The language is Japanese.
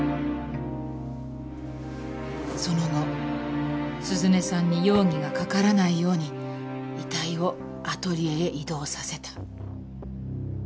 その後涼音さんに容疑がかからないように遺体をアトリエへ移動させた。